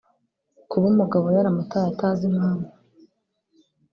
kuba umugabo yaramutaye atazi impamvu